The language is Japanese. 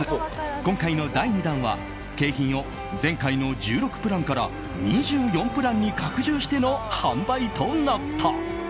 今回の第２弾は景品を前回の１６プランから２４プランに拡充しての販売となった。